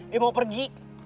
dia mau pergi